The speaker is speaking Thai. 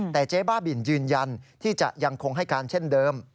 แต่เจ๊บ้าบินยืนยันที่จะยังคงให้การเช่นเดิม